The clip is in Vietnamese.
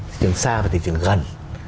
thị trường xa và thị trường gần